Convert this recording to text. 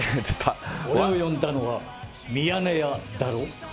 俺を呼んだのはミヤネ屋だろう。